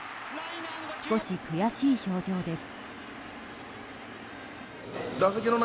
少し悔しい表情です。